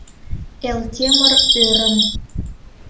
— Элтемыр ӧрын.